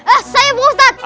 eh saya pak ustadz